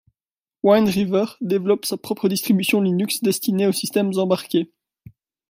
Wind River développe sa propre distribution Linux destinée aux systèmes embarqués.